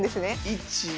１。